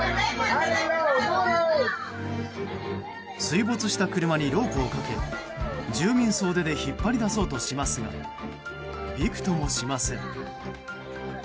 水没した車にロープをかけ住民総出で引っ張り出そうとしますがびくともしません。